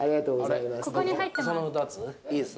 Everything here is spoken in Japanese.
ここに入ってます。